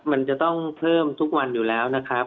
มันจะต้องเพิ่มทุกวันอยู่แล้วนะครับ